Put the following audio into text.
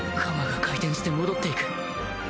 鎌が回転して戻っていく